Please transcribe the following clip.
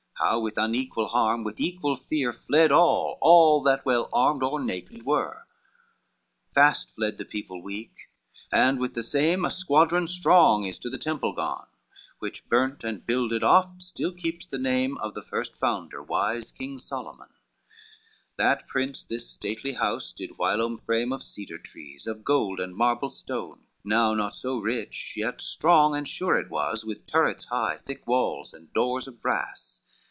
How with unequal harm, with equal fear Fled all, all that well armed or naked were: XXXIII Fast fled the people weak, and with the same A squadron strong is to the temple gone Which, burned and builded oft, still keeps the name Of the first founder, wise King Solomon; That prince this stately house did whilom frame Of cedar trees, of gold and marble stone; Now not so rich, yet strong and sure it was, With turrets high, thick walls, and doors of brass.